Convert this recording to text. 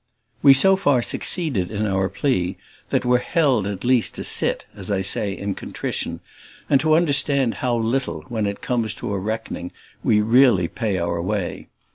We so far succeed in our plea that we're held at least to sit, as I say, in contrition, and to understand how little, when it comes to a reckoning, we really pay our way.